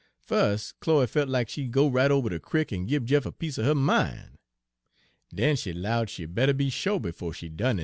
"Fus' Chloe felt lack she'd go right ober de crick en gib Jeff a piece er her min'. Den she 'lowed she better be sho' befo' she done anythin'.